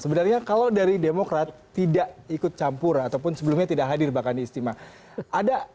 sebenarnya kalau dari demokrat tidak ikut campur ataupun sebelumnya tidak hadir bahkan diistimewa